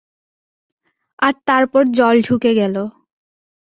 আর তারপর জল ঢুকে গেল।